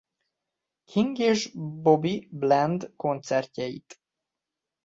King és Bobby Bland koncertjeit.